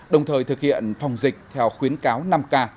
đồng thời thực hiện phòng dịch theo khuyến cáo năm k